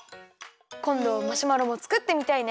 こんどマシュマロもつくってみたいね！